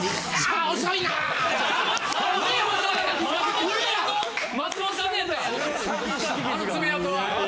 あの爪跡は。